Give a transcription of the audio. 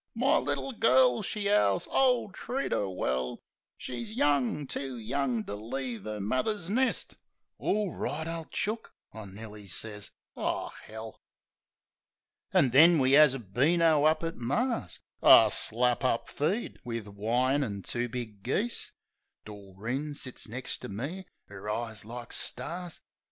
"My little girl!" she 'owls. "O, treat 'er well! She's young — too young to leave 'er muvver's nest!" "Orright, ole chook," I nearly sez. O, 'ell! An' then we 'as a beano up at Mar's — A slap up feed, wiv wine an' two big geese. Doreen sits next ter me, 'er eyes like stars.